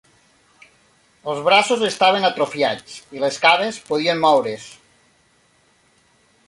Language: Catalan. Els braços estaven atrofiats i les cames podien moure's.